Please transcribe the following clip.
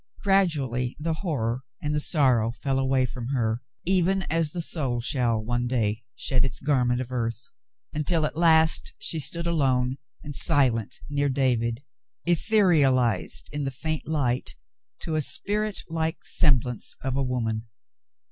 Gradually the horror and the sorrow fell away from her even, as the soul shall one day shed its garment of earth, until at last she stood alone and silent near David, etherealized in the faint light to a spirit like semblance of a woman.